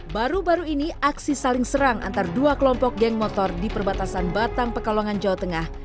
baru baru ini aksi saling serang antara dua kelompok geng motor di perbatasan batang pekalongan jawa tengah